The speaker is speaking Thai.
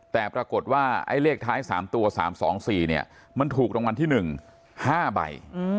แต่ปรากฏว่าไอ้เลขท้าย๓ตัว๓๒๔เนี่ยมันถูกรางวัลที่๑๕ใบ